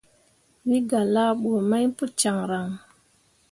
Wǝ gah laaɓu mai pu caŋryaŋ.